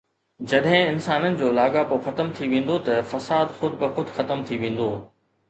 جڏهن انسانن جو لاڳاپو ختم ٿي ويندو ته فساد خود بخود ختم ٿي ويندو